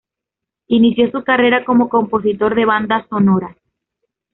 Inició su carrera como compositor de Bandas Sonoras.